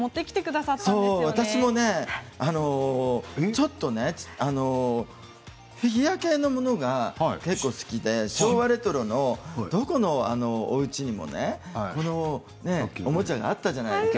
私もねちょっとフィギュア系のものが結構、好きで昭和レトロのどこのおうちにもこのおもちゃがあったじゃないですか。